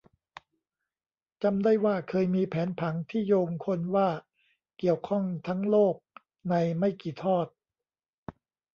จำได้ว่าเคยมีแผนผังที่โยงคนว่าเกี่ยวข้องทั้งโลกในไม่กี่ทอด